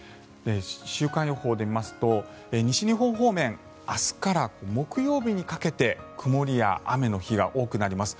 週間予報で見ますと、西日本方面明日から木曜日にかけて曇りや雨の日が多くなります。